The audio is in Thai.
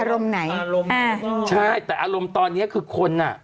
อารมณ์ไหนอารมณ์ใช่แต่อารมณ์ตอนเนี้ยคือคนอ่ะ